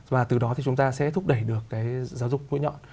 và từ đó thì chúng ta sẽ thúc đẩy được cái giáo dục mũi nhọn